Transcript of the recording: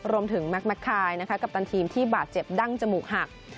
แมมคายกัปตันทีมที่บาดเจ็บดั้งจมูกหัก